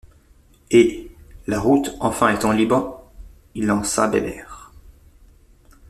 Et, la route enfin étant libre, il lança Bébert.